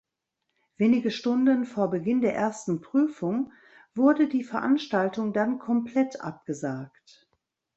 Wenige Stunden vor Beginn der ersten Prüfung wurde die Veranstaltung dann komplett abgesagt.